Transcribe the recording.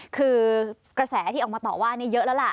คือกระแสที่ออกมาต่อว่านี่เยอะแล้วล่ะ